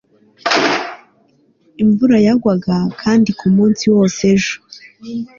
imvura yagwaga kandi kumunsi wose ejo